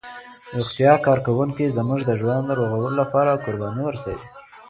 روغتیايي کارکوونکي زموږ د ژوند د ژغورلو لپاره قرباني ورکوي.